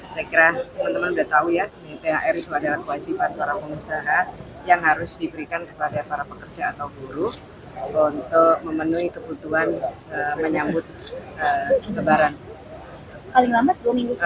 saya kira teman teman sudah tahu ya thr itu adalah kewajiban para pengusaha yang harus diberikan kepada para pekerja atau buruh untuk memenuhi kebutuhan menyambut lebaran